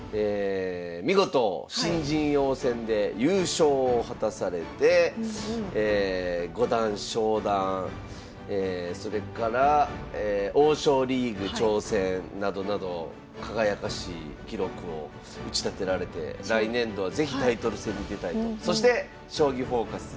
見事新人王戦で優勝を果たされて五段昇段それから王将リーグ挑戦などなど輝かしい記録を打ち立てられて来年度は是非タイトル戦に出たいと。